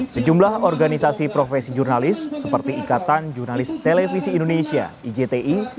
sejumlah organisasi profesi jurnalis seperti ikatan jurnalis televisi indonesia ijti